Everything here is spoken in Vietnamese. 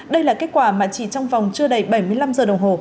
đây là kết quả mà chỉ trong vòng chưa đầy bảy mươi năm giờ đồng hồ